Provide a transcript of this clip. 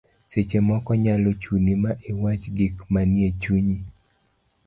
seche moko nyalo chuni ma iwach gik manie chunyi